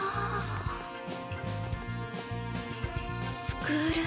スクール。